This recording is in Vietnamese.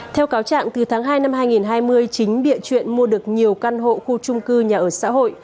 theo cáo trạng từ tháng hai năm hai nghìn hai mươi chính địa chuyện mua được nhiều căn hộ khu trung cư nhà ở xã hội